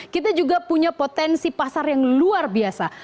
kita juga punya potensi pasar yang luar biasa